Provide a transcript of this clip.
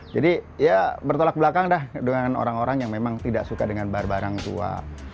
jadi ya bertolak belakang dah dengan orang orang yang memang tidak suka dengan barang barang tua